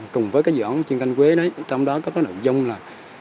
cùng với cái dự án chuyên canh quế đấy trong đó có cái nội dung là